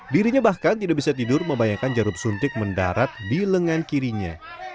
dirinya bahkan tidak bisa tidur membayangkan jarum suntik mendarat di lengan kirinya